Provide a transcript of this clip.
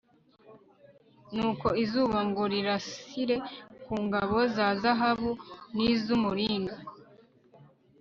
nuko izuba ngo rirasire ku ngabo za zahabu n'iz'umuringa